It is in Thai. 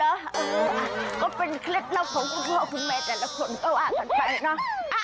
เออก็เป็นเคล็ดลับของคุณพ่อคุณแม่แต่ละคนก็ว่ากันไปเนอะ